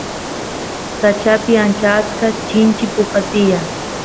sachapi ancha achka chinchi puka tiyan